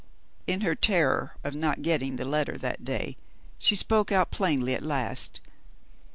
In her terror of not getting the letter that day, she spoke out plainly at last.